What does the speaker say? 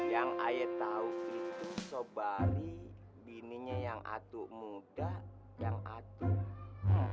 yang ayah tahu itu sobari bininya yang atuk muda yang atuk